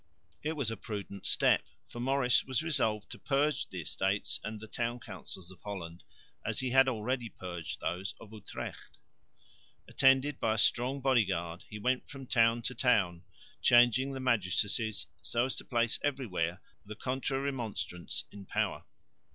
It was a prudent step, for Maurice was resolved to purge the Estates and the town councils of Holland, as he had already purged those of Utrecht. Attended by a strong body guard he went from town to town, changing the magistracies, so as to place everywhere the Contra Remonstrants in power.